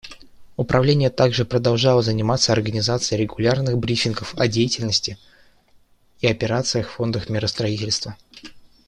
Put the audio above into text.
Управление также продолжало заниматься организацией регулярных брифингов о деятельности и операциях Фонда миростроительства.